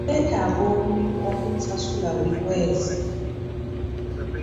Neetaaga omulimu ogunsasula buli mwezi.